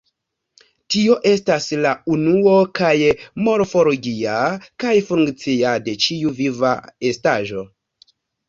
Tio estas, la unuo kaj morfologia kaj funkcia de ĉiu viva estaĵo.